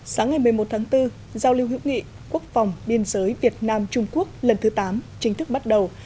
sáng ngày một mươi một tháng bốn giao lưu hữu nghị quốc phòng biên giới việt nam trung quốc lần thứ tám chính thức bắt đầu